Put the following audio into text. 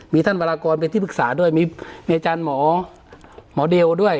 มีท่านวรากรเป็นที่ปรึกษาด้วยมีอาจารย์หมอหมอเดลด้วย